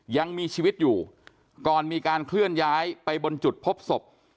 ยังมีชีวิตอยู่ก่อนมีการเคลื่อนย้ายไปบนจุดพบศพ